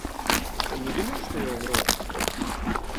Ты не думал, что я умерла?